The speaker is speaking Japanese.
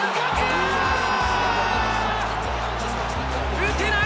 打てない！